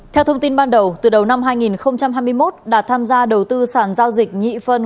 theo thông tin ban đầu từ đầu năm hai nghìn hai mươi một đạt tham gia đầu tư sản giao dịch nhị phân